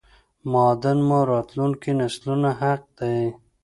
معادن مو راتلونکو نسلونو حق دی